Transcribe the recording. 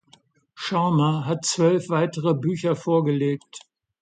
Sharma hat zwölf weitere Bücher vorgelegt.